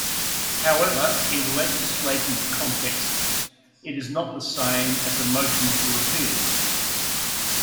However, in legislative contexts, it is not the same as a motion to repeal.